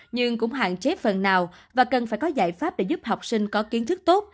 nhưng cũng hạn chế phần nào và cần phải có giải pháp để giúp học sinh có kiến thức tốt